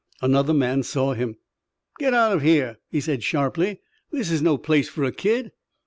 Another man saw him. "Get out of here," he said sharply. "This is no place for a kid."